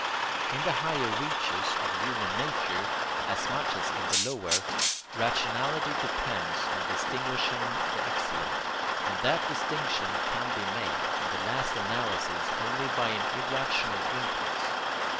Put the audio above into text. In the higher reaches of human nature, as much as in the lower, rationality depends on distinguishing the excellent; and that distinction can be made, in the last analysis, only by an irrational impulse.